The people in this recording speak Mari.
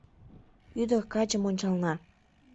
Ӱдыр-качым ончална.